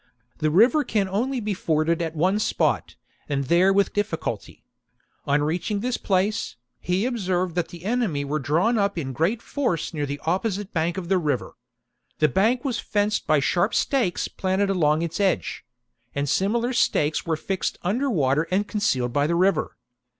The river can only be tSory forded at one spot, and there with difficulty. On the passage reaching this place, he observed that the enemy Thames. were drawn up in great force near the opposite bank of the river. The bank was fenced by sharp stakes planted along its edge ; and similar stakes werd fixed under water and concealed by the river.